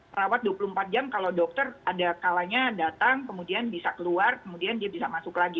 perawat dua puluh empat jam kalau dokter ada kalanya datang kemudian bisa keluar kemudian dia bisa masuk lagi